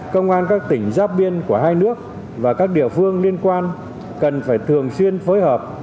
công an các tỉnh giáp biên của hai nước và các địa phương liên quan cần phải thường xuyên phối hợp